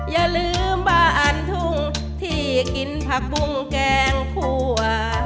อย่าลืมบ้านอันทุ่งที่กินผักบุ้งแกงคั่ว